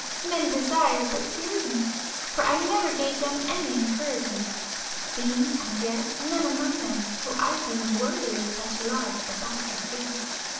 Men desired, but feared me; for I never gave them any encouragement, seeing as yet none among them whom I deemed worthy of such love as I could give.